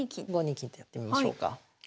５二金とやってみましょうか。